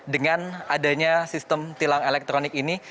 dengan adanya sistem tilang elektronik ini